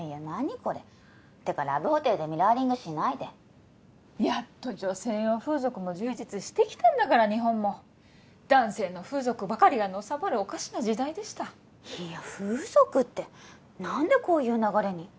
これってかラブホテルでミラーリングしないでやっと女性用風俗も充実してきたんだから日本も男性の風俗ばかりがのさばるおかしな時代でしたいや風俗って何でこういう流れに？